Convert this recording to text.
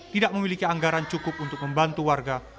tidak memiliki anggaran cukup untuk membantu warga